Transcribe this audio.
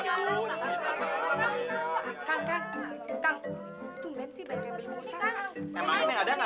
terima kasih oma